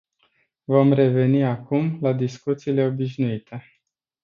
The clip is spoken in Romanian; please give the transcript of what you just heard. Vom reveni acum la discuțiile obișnuite.